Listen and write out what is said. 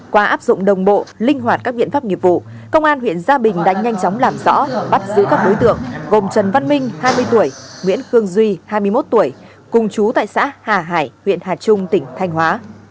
qua áp dụng đồng bộ linh hoạt các biện pháp nghiệp vụ công an huyện gia bình đã nhanh chóng làm rõ bắt giữ các đối tượng gồm trần văn minh hai mươi tuổi nguyễn khương duy hai mươi một tuổi cùng chú tại xã hà hải huyện hà trung tỉnh thanh hóa